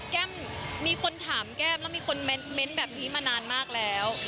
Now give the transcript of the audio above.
แก้มมีคนถามแก้มแล้วมีคนเม้นต์แบบนี้มานานมากแล้ว